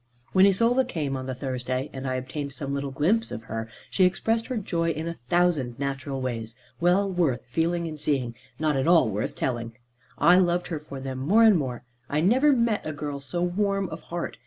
When Isola came on the Thursday, and I obtained some little glimpse of her, she expressed her joy in a thousand natural ways, well worth feeling and seeing, not at all worth telling. I loved her for them more and more. I never met a girl so warm of heart.